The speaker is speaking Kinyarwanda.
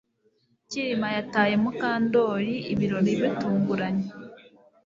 Kirima yataye Mukandoli ibirori bitunguranye